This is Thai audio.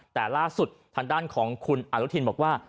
แต่ล่าสุดทางด้านของคุณอนุทินบอกว่า